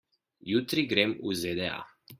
Jutri grem v ZDA.